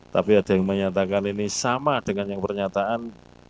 tapi ada yang menyatakan ini sama dengan yang pernyataan